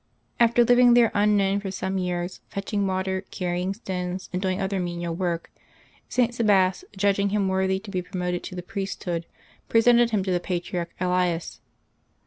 After living there unknown for some years, fetching water. May 141 LIVES OF THE SAINTS 179 carrying stones, and doing other menial work, St. Sabas, judging him worthy to be promoted to the priesthood, presented him to the Patriarch Elias.